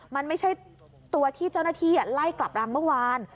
มันไม่ใช่ตัวที่เจ้าหน้าที่ไล่กลับรังเมื่อวาน